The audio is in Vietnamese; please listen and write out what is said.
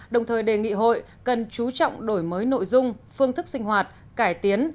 đồng thời đề nghị hội cần chú trọng đổi mới nội dung phương thức sinh hoạt cải tiến